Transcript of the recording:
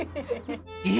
え⁉